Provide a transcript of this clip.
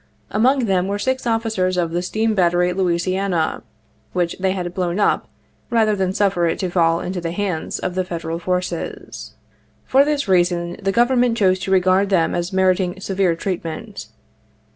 Among them were six officers of the steam battery Louisiana, which they had blown up rather than suffer it to fall into the hands of the Federal forces. For this rea son the Government chose to regard them as meriting severe treatment.